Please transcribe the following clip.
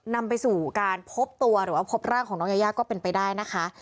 นำไปสู่การพบตัวหรือว่าพบร่างของน้องยายาก็เป็นไปได้นะคะ